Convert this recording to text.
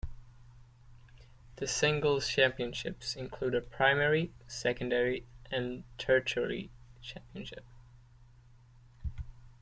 The singles championships include a primary, secondary, and tertiary championship.